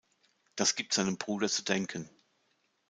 Das gibt seinem Bruder zu denken.